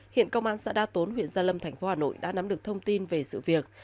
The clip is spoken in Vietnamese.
hiện công an xã đa tốn huyện gia lâm thành phố hà nội đã nắm được thông tin về sự việc